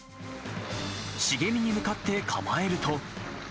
茂みに向かって構えると。